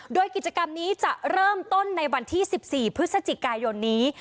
โดยกิจกรรมนี้จะเริ่มต้นในวันที่๑๔พฤศจิกายนนี้